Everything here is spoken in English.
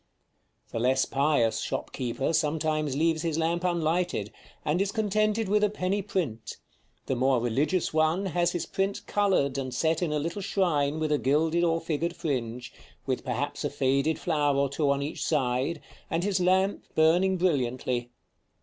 The less pious shop keeper sometimes leaves his lamp unlighted, and is contented with a penny print; the more religious one has his print colored and set in a little shrine with a gilded or figured fringe, with perhaps a faded flower or two on each side, and his lamp burning brilliantly.